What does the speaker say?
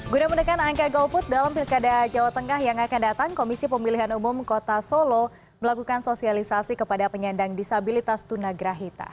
guna menekan angka golput dalam pilkada jawa tengah yang akan datang komisi pemilihan umum kota solo melakukan sosialisasi kepada penyandang disabilitas tunagrahita